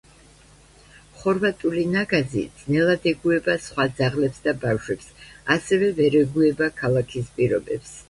ხორვატული ნაგაზი ძნელად ეგუება სხვა ძაღლებს და ბავშვებს, ასევე, ვერ ეგუება ქალაქის პირობებს.